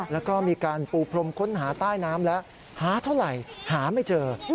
แล้วก็มีการปูพรมค้นหาใต้น้ำแล้วหาเท่าไหร่หาไม่เจอ